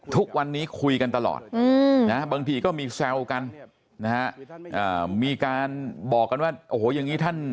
ทุกวันนี้คุยกันตลอดน้าบางทีก็มีแซวกันมีการบอกกันว่าเอาอย่างนี้